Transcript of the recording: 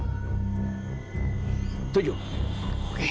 boleh juga tuan